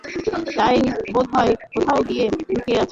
তাই বোধহয় কোথাও গিয়ে লুকিয়ে আছে।